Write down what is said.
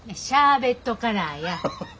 シャーベットカラーや。